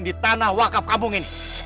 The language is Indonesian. di tanah wakaf kampung ini